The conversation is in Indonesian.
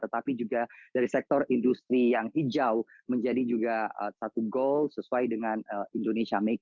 tetapi juga dari sektor industri yang hijau menjadi juga satu goal sesuai dengan indonesia make